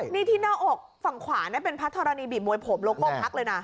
นี่ที่หน้าอกฝั่งขวาเป็นพระธรณีบีบมวยผมโลโก้พักเลยนะ